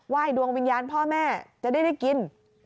ไหว้ดวงวิญญาณพ่อแม่จะได้ได้กิน